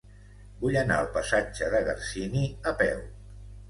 Vull anar al passatge de Garcini a peu.